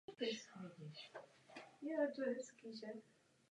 To znamenalo přesun tisíců německých vojáků a vojenského materiálu na západní frontu.